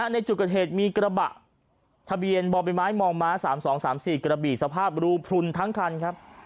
ในจุดเกิดเหตุมีกระบะทะเบียนบ่อใบไม้มม๓๒๓๔กระบี่สภาพรูพลุนทั้งคันครับ